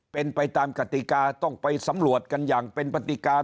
เป็นไปตามกติกาต้องไปสำรวจกันอย่างเป็นปฏิการ